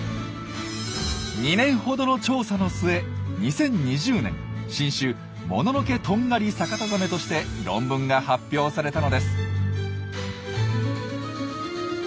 ２年ほどの調査の末２０２０年新種「モノノケトンガリサカタザメ」として論文が発表されたのです。